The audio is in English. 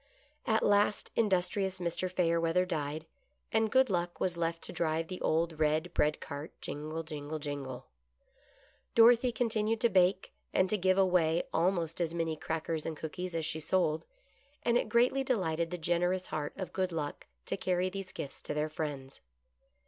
At last industrious Mr. Fayerweather died, and Good Luck was left to drive the old red bread cart, jingle, jingle, jingle, Dorothy continued to bake, and to give away almost as many crackers and cookies as she sold, and it greatly delighted the generous heart of Good Luck to carry these gifts to their friends.